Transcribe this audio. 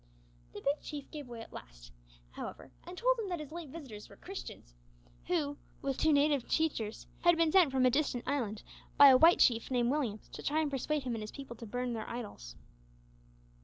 The Big Chief gave way at last, however, and told him that his late visitors were Christians, who, with two native teachers, had been sent from a distant island by a white chief named Williams, to try and persuade him and his people to burn their idols.